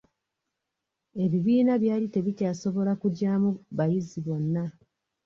Ebibiina byali tebikyasobola kugyamu bayizi bonna.